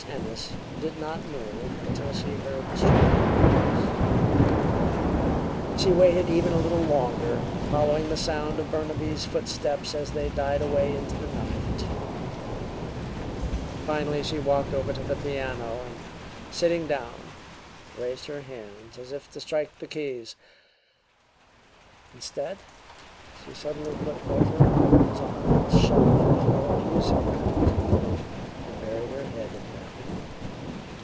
Ennis did not move until she heard the street door close; she waited even a little longer, following the sound of Burnaby's footsteps as they died away into the night; finally she walked over to the piano, and, sitting down, raised her hands as if to strike the keys. Instead, she suddenly put both her arms on the little shelf before the music rack and buried her head in them.